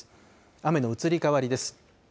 雨の移り変わりです。